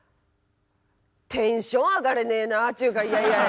テンション上がらねえなっていうかいやいやいや。